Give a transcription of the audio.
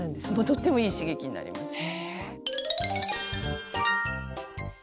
とってもいい刺激になりますね。